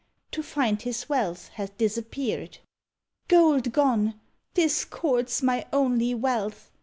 To find his wealth had disappeared. "Gold gone! This cord's my only wealth!"